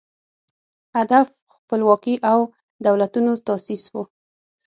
هدف خپلواکي او دولتونو تاسیس و